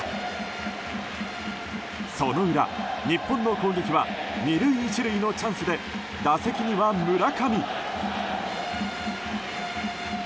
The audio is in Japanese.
その裏、日本の攻撃は２塁１塁のチャンスで打席には村上。